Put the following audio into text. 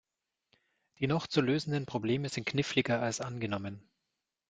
Die noch zu lösenden Probleme sind kniffliger als angenommen.